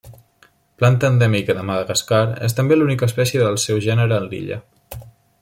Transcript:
Planta endèmica de Madagascar, és també l'única espècie del seu gènere en l'illa.